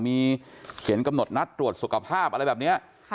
มีกำหนดนัดตรวจสกภาพอะไรแบบนี้